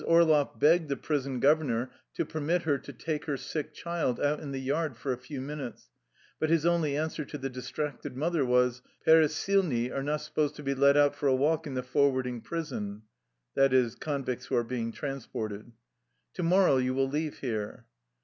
Orloff begged the prison gover nor to permit her to take her sick child out in the yard for a few minutes, but his only answer to the distracted mother was :" Peresylni ^ are not supposed to be let out for a walk in the forwarding prison. To morrow you will leave here."